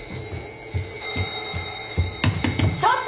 ちょっと！